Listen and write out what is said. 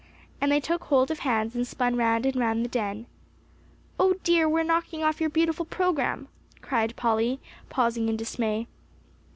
And they took hold of hands and spun round and round the den. "Oh, dear, we're knocking off your beautiful program," cried Polly, pausing in dismay.